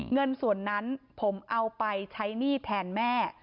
เงินส่วนนั้นผมเอาไปใช้หนี้แทนแม่